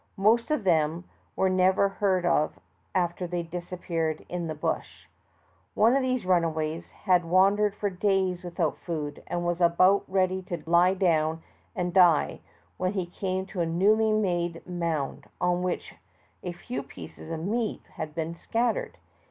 Most of them were never heard of after they disappeared in the bush. One of these runaways had wandered for days without food, and was about ready to lie down and die, when he came to a newly made mound, on which a few pieces of meat had been scattered.